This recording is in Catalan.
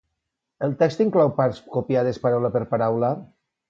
El text inclou parts copiades paraula per paraula?